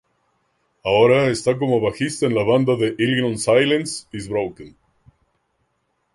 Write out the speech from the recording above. Ahora está como bajista en la banda de Illinois Silence Is Broken.